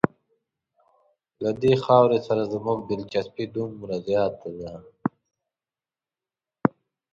له دې خاورې سره زموږ دلچسپي دومره زیاته ده.